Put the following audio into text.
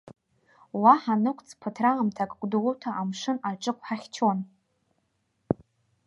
Уа ҳанықәҵ ԥыҭраамҭак Гәдоуҭа амшын аҿықә ҳахьчон.